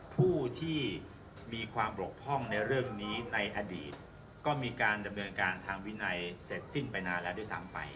ผู้ที่มีความบกพร่องในเรื่องนี้ในอดีตก็มีการดำเนินการทางวินัยเสร็จสิ้นไปนานแล้วด้วยซ้ำไป